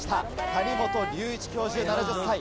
谷本隆一教授７０歳。